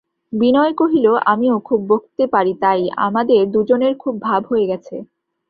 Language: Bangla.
বিনয় কহিল, আমিও খুব বকতে পারি তাই আমাদের দুজনের খুব ভাব হয়ে গেছে।